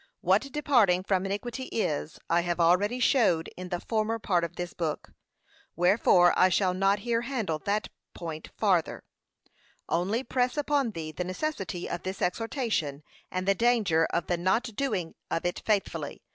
What departing from iniquity is, I have already showed in the former part of this book; wherefore I shall not here handle that point farther, only press upon thee the necessity of this exhortation, and the danger of the not doing of it faithfully.